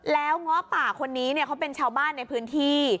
แล้วง้อป่าคนนี้เขาเป็นชาวบ้านในพื้นที่